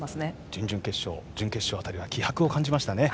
準々決勝、準決勝辺りは気迫を感じましたね。